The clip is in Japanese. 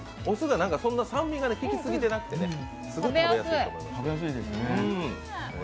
お酢がそんなに酸味がききすぎてなくてね。